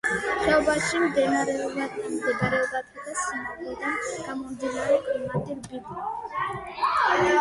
ხეობაში მდებარეობითა და სიმაღლიდან გამომდინარე, კლიმატი რბილია.